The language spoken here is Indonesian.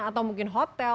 atau mungkin hotel